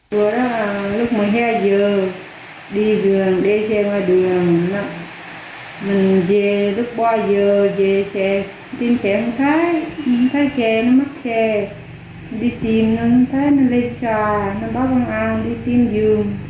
vừa đó là lúc một mươi hai giờ đi rường để xe ngoài đường mình về lúc ba giờ về xe tìm xe không thấy không thấy xe nó mất xe đi tìm nó không thấy nó lây trà nó bắt công an đi tìm rường